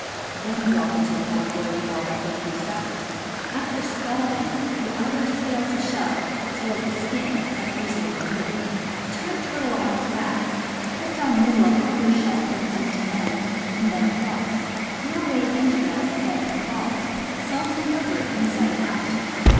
Then drop into a pot of boiling water for a few seconds. After scalding, the outer scales of shell, as well as the skin, are easily removed. Turn turtle on its back, cut down middle of under shell from end to end, and then across. Throw away entrails, head, and claws. Salt and pepper it inside and out.